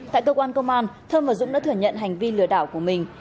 tại công an công an thơm và dũng đã thử nhận hành vi lừa đảo của mình